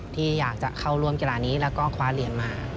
ที่อยากจะเข้าร่วมกีฬานี้แล้วก็คว้าเหรียญมา